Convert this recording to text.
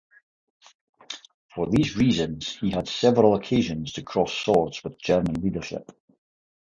For these reasons, he had several occasions to cross swords with German leadership.